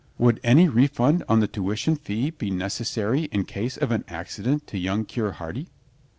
"Would any refund on the tuition fee be necessary in case of an accident to young Coeur Hardy?"